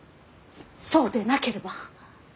そうでなければ。